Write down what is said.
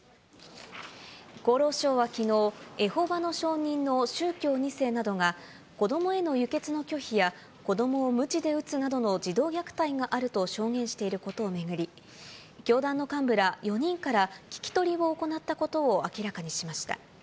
厚労省はきのう、エホバの証人の宗教２世などが、子どもへの輸血の拒否や、子どもをむちで打つなどの児童虐待があると証言していることを巡り、教団の幹部ら４人から聞き取りを行ったことを明らかにしました。